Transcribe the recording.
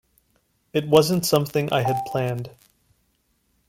It wasn't something I had planned.